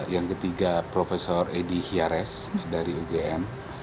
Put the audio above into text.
yang ketiga prof edi hias dari ugm